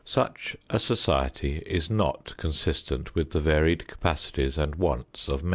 Such a society is not consistent with the varied capacities and wants of men.